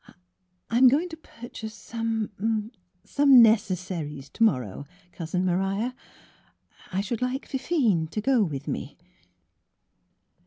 '* I am going to purchase some — some necessaries to morrow. Cousin Maria ; I should like Fifine to go with me.''